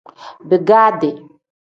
Bigaadi.